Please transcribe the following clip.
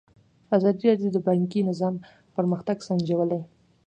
ازادي راډیو د بانکي نظام پرمختګ سنجولی.